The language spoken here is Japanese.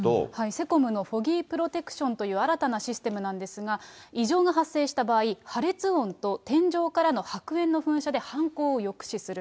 セコムのフォギープロテクションという新たなシステムなんですが、異常が発生した場合、破裂音と天井からの白煙の噴射で、犯行を抑止する。